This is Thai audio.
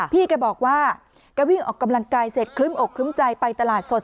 พี่แกบอกว่าแกวิ่งออกกำลังกายเสร็จคลึ้มอกคลึ้มใจไปตลาดสด